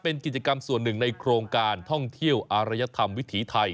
เป็นกิจกรรมส่วนหนึ่งในโครงการท่องเที่ยวอารยธรรมวิถีไทย